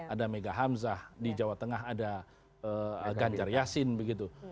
ada mega hamzah di jawa tengah ada ganjar yasin begitu